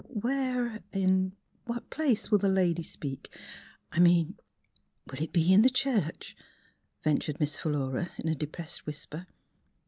" Where — in what place will the lady speak — I mean, will it be in the church ?" ventured Miss Philura in a depressed whisper.